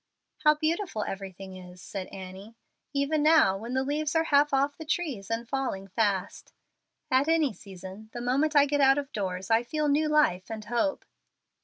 "How beautiful everything is," said Annie, "even now, when the leaves are half off the trees and falling fast! At any season, the moment I get out of doors I feel new life and hope."